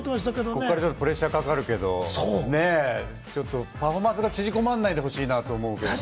ここからプレッシャーがかかるけれどもね、パフォーマンスが縮こまらないでほしいなと思うけれどもね。